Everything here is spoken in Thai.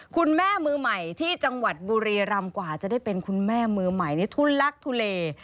คุณแม่มือใหม่ที่จังหวัดบุรีรำกว่าจะได้เป็นคุณแม่มือใหม่นี่ทุลักทุเล